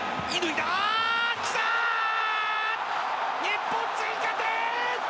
日本、追加点！